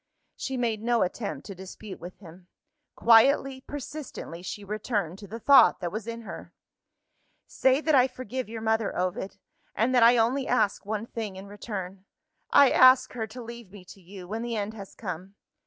She made no attempt to dispute with him. Quietly, persistently, she returned to the thought that was in her. "Say that I forgive your mother, Ovid and that I only ask one thing in return. I ask her to leave me to you, when the end has come.